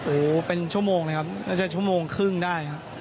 โอ้เป็นชั่วโมงนะครับอาจจะชั่วโมงครึ่งได้